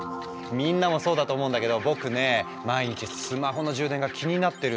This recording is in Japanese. みんなもそうだと思うんだけど僕ね毎日スマホの充電が気になってるの。